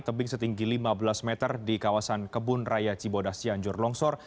tebing setinggi lima belas meter di kawasan kebun raya cibodas cianjur longsor